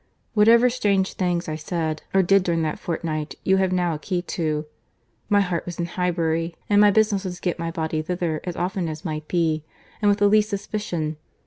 —Whatever strange things I said or did during that fortnight, you have now a key to. My heart was in Highbury, and my business was to get my body thither as often as might be, and with the least suspicion.